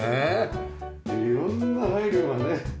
色んな配慮がね。